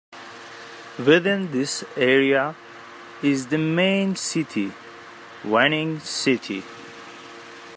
Within this area is the main city, Wanning City.